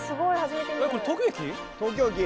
これ東京駅？